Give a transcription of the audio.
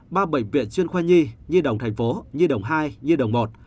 ba bệnh viện chuyên khoai nhi như đồng tp như đồng hai như đồng một